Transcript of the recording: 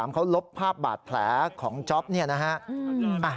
เขาลบภาพบาดแผลของจ๊อปเนี่ยนะฮะ